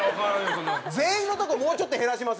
全員のとこもうちょっと減らしません？